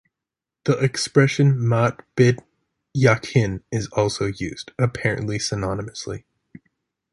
The expression "mat Bit Yakin" is also used, apparently synonymously.